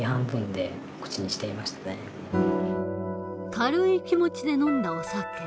軽い気持ちで飲んだお酒。